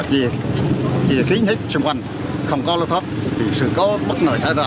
sau khi có cano mà kia kia kín hết xung quanh không có lâu thoát thì sự có bất nợ xảy ra